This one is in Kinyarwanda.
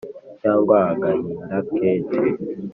cyangwa agahinda kenshi